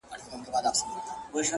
په رڼا كي يې پر زړه ځانمرگى وسي!!